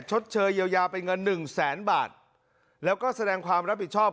ชดเชยเยียวยาเป็นเงินหนึ่งแสนบาทแล้วก็แสดงความรับผิดชอบ